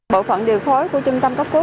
bộ phận điều phối của trung tâm cấp cứu